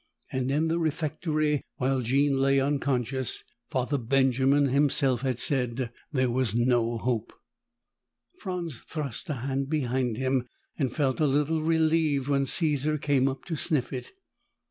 And in the refectory, while Jean lay unconscious, Father Benjamin himself had said that there was no hope. Franz thrust a hand behind him and felt a little relieved when Caesar came up to sniff it.